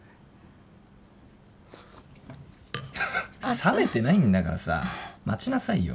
冷めてないんだからさ待ちなさいよ。